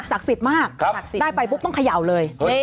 สิทธิ์มากได้ไปปุ๊บต้องเขย่าเลย